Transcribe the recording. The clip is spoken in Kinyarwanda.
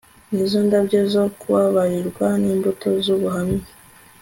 Nizo ndabyo zo kubabarirwa nimbuto z ubuhamya